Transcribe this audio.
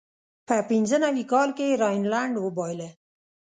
په پینځه نوي کال کې یې راینلنډ وبایله.